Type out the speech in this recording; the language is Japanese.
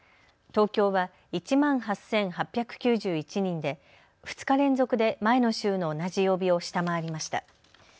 東京は１万８８９１人で２日連続で前の週の同じ曜日を下回りました。